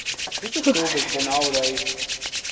This is still visible nowadays.